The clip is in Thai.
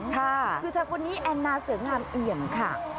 คือเธอคนนี้แอนนาเสืองามเอี่ยมค่ะ